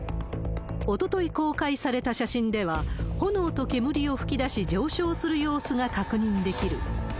おととい公開された写真では、炎と煙を噴き出し、上昇する様子が確認できる。